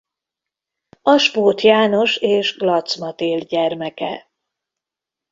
Asbóth János és Glatz Matild gyermeke.